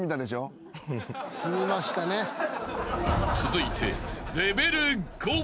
［続いて］